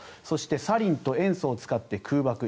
そしてサリンと塩素を使って空爆。